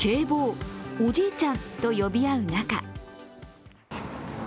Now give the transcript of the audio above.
坊、おじいちゃんと呼び合う中。